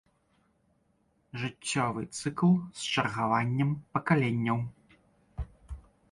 Жыццёвы цыкл з чаргаваннем пакаленняў.